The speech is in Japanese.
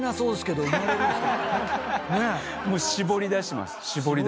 もう絞り出してます。